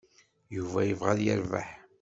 Yuba yebɣa ad yerbeḥ.